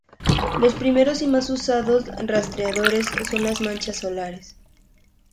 Los primeros y más usados rastreadores son las manchas solares.